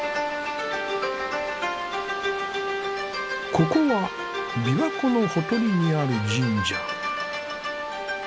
ここは琵琶湖のほとりにある神社。